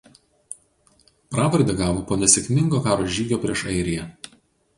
Pravardę gavo po nesėkmingo karo žygio prieš Airiją.